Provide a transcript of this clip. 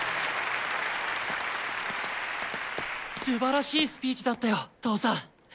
すばらしいスピーチだったよ父さん。